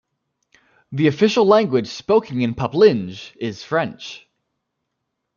The official language spoken in Puplinge is French.